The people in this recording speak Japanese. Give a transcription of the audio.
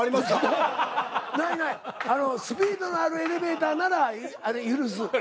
スピードのあるエレベーターならあれ許す。